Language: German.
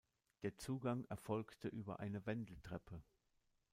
Der Zugang erfolgte über eine Wendeltreppe.